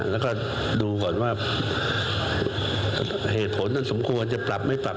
แล้วก็ดูก่อนว่าเหตุผลนั้นสมควรจะปรับไม่ปรับ